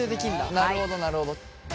なるほどなるほど。